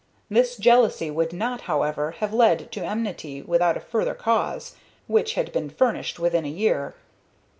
This jealousy would not, however, have led to enmity without a further cause, which had been furnished within a year.